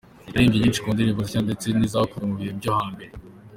Yaririmbye nyinshi mu ndirimbo ze nshya ndetse n’izakunzwe mu bihe byo hambere.